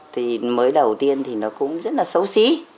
thì mới đầu tiên thì nó cũng rất là xấu xí